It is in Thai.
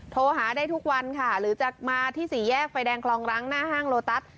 โทรหาได้ทุกวันค่ะหรือจะมาที่สี่แยกไฟแดงคลองรังหน้าห้างโลตัส